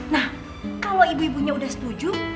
nah kalau ibu ibunya sudah setuju